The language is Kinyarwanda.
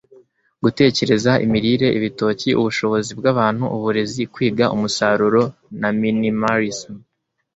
gutekereza, imirire, ibitoki, ubushobozi bwabantu, uburezi, kwiga, umusaruro na minimalism.